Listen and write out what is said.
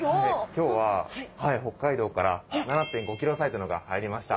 今日は北海道から７．５ｋｇサイズのが入りました。